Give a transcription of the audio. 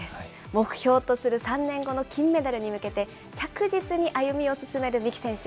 目標とする３年後の金メダルに向けて、着実に歩みを進める三木選手。